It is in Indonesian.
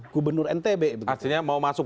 gubernur ntb hasilnya mau masuk